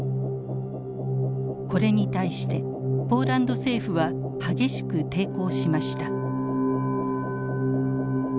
これに対してポーランド政府は激しく抵抗しました。